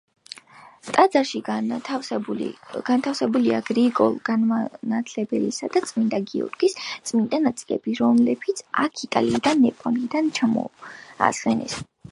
ტაძარში განთავსებულია გრიგოლ განმანათლებლისა და წმინდა გრიგორის წმინდა ნაწილები, რომლებიც აქ იტალიიდან, ნეაპოლიდან ჩამოასვენეს.